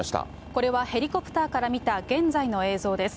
これはヘリコプターから見た現在の映像です。